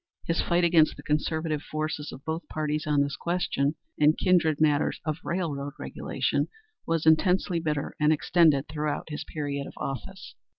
His fight against the conservative forces of both parties on this question, and kindred matters of railroad regulation, was intensely bitter and extended throughout his period of office.